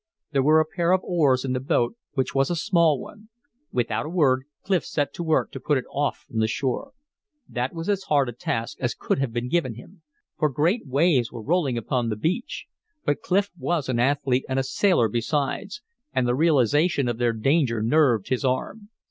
There were a pair of oars in the boat, which was a small one. Without a word, Clif set to work to put it off from the shore. That was as hard a task as could have been given him; for great waves were rolling upon the beach. But Clif was an athlete and a sailor besides; and the realization of their danger nerved his arm.